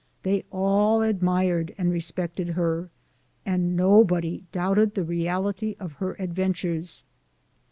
They all admired and re spected her, and nobody doubted the reality of her adventures.